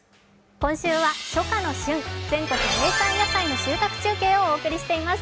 今週は初夏の旬、全国名産野菜の収穫中継をお送りしています。